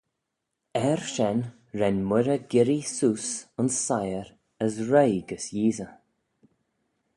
Er shen ren Moirrey girree seose ayns siyr as roie gys Yeesey.